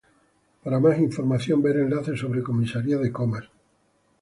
Para más información ver enlace sobre Comisarías de Comas.